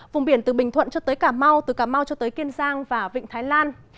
vùng biển từ bình thuận cho tới cà mau từ cà mau cho tới kiên giang và vịnh thái lan